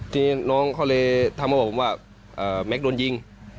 ทีนี้น้องเขาเลยทำกับผมว่าแม็กซ์โดนยิง